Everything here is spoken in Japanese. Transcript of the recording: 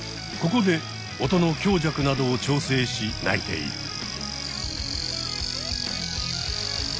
ここで音の強弱などを調整し鳴いている。